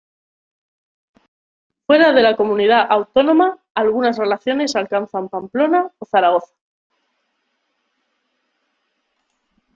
Fuera de la comunidad autónoma algunas relaciones alcanzan Pamplona o Zaragoza.